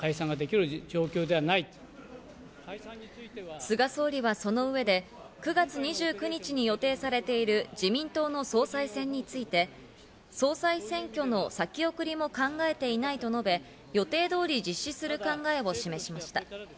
菅総理はその上で、９月２９日に予定されている自民党の総裁選について総裁選挙の先送りも考えていないと述べ、予定通り実施する考えを示しました。